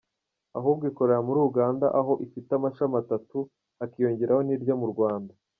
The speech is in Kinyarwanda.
Ahubwo ikorera muri Uganda aho ifite amashami atatu hakiyongeraho n’iryo mu Rwanda.